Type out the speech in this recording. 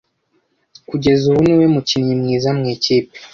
Kugeza ubu niwe mukinnyi mwiza mu ikipe.